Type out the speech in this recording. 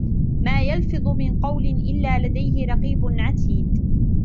ما يَلفِظُ مِن قَولٍ إِلّا لَدَيهِ رَقيبٌ عَتيدٌ